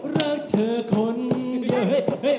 รักเธอคนเยอะ